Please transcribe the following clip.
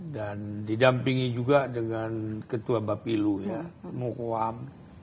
dan didampingi juga dengan ketua bapilu mukwam